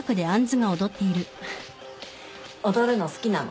踊るの好きなの？